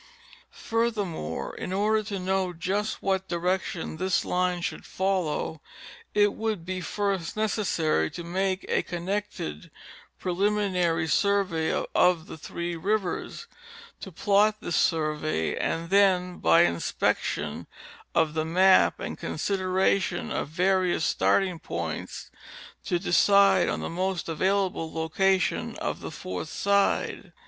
Furthermore, in order to know just what direction this line should follow it would be first necessary to make a connected preliminary survey of the three rivers ; to plot this survey and then by inspection of the map and consideration of various start ing points to decide on the most available location of the fourth side.